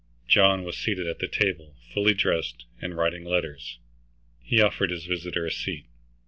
John was seated at the table, fully dressed, and writing letters. He offered his visitor a seat.